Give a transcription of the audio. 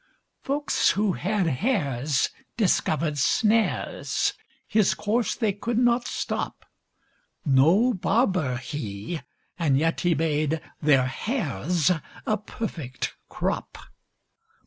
Folks who had hares discovered snares His course they could not stop: No barber he, and yet he made Their hares a perfect crop.